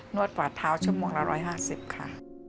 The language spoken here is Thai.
วดฝาดเท้าชั่วโมงละ๑๕๐ค่ะ